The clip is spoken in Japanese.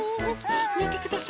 みてください